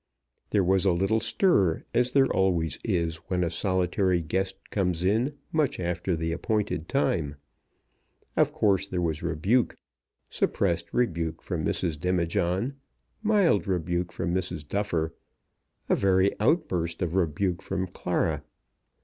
There was a little stir, as there always is when a solitary guest comes in much after the appointed time. Of course there was rebuke, suppressed rebuke from Mrs. Demijohn, mild rebuke from Mrs. Duffer, a very outburst of rebuke from Clara.